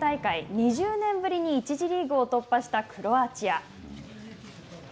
２０年ぶりに１次リーグを突破したクロアチア。